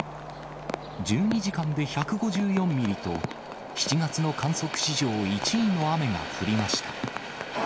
１２時間で１５４ミリと、７月の観測史上１位の雨が降りました。